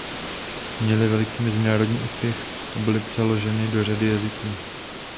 Měly veliký mezinárodní úspěch a byly přeloženy do řady jazyků.